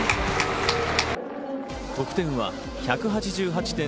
得点は１８８．０６。